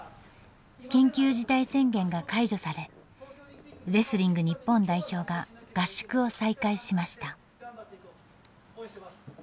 緊急事態宣言が解除されレスリング日本代表が合宿を再開しました。